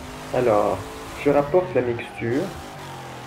Alors, je rapporte la mixture…